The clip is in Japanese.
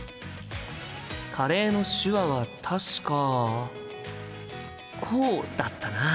カレーの手話は確かこうだったな。